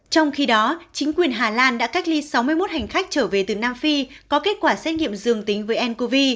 trong khi đó chính quyền hà lan đã cách ly sáu mươi một hành khách trở về từ nam phi có kết quả xét nghiệm dương tính với ncov